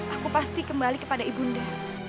aku pasti kembali kepada ibunda